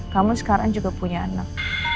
kamu sekarang juga punya anak